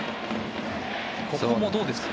ここもどうですか。